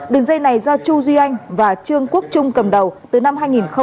đường dây này do chu duy anh và trương quốc trung cầm đầu từ năm hai nghìn một mươi bảy